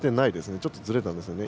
ちょっとずれたんですね。